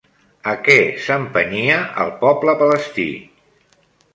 A què s'empenyia el poble palestí?